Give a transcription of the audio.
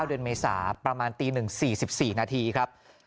๒๙เดือนเมษาประมาณตีหนึ่ง๔๔นาทีครับ